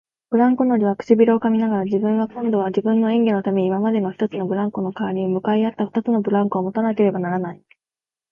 ブランコ乗りは唇をかみながら、自分は今度は自分の演技のために今までの一つのブランコのかわりに向かい合った二つのブランコをもたなければならない、